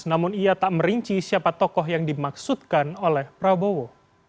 namun ia tak merinci siapa tokoh yang dimaksudkan oleh prabowo